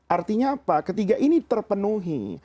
artinya apa ketiga ini terpenuhi